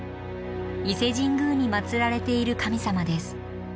伊勢神宮にまつられている神様です。